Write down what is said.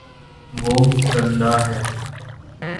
وہ گندا ہے